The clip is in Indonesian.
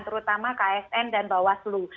terutama ksn dan bawaslu